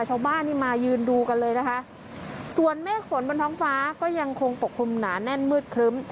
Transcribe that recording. ชาวบ้านนี่มายืนดูกันเลยนะคะส่วนเมฆฝนบนท้องฟ้าก็ยังคงปกคลุมหนาแน่นมืดครึ้ม